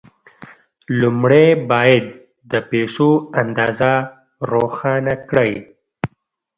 لومړی باید د پيسو اندازه روښانه کړئ.